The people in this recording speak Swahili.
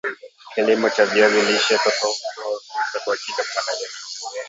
Kilimo cha viazi lishe hutoa fursa kwa kila mwana jamii